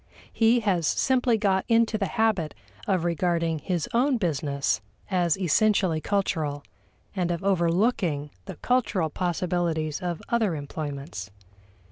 He has simply got into the habit of regarding his own business as essentially cultural and of overlooking the cultural possibilities of other employments.